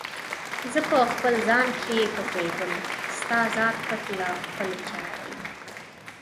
زه په خپل ځان کې پټیږم، ستا ذات پټ له خپلي چارې